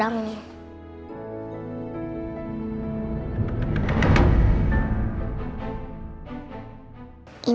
ya bapak enggak ada